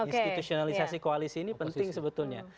institusionalisasi koalisi ini penting sebetulnya